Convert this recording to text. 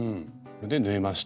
で縫えました。